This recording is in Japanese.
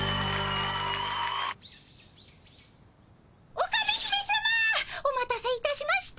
オカメ姫さまお待たせいたしました。